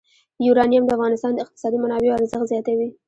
یورانیم د افغانستان د اقتصادي منابعو ارزښت زیاتوي.